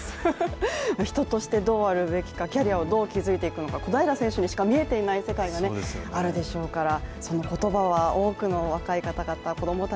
人としてどうあるべきか、キャリアをどう築いていくのか小平選手にしか見えていない世界があるでしょうから。